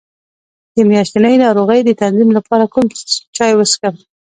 د میاشتنۍ ناروغۍ د تنظیم لپاره کوم چای وڅښم؟